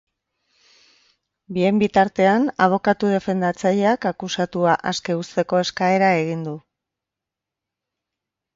Bien bitartean, abokatu defendatzaileak akusatua aske uzteko eskaera egin du.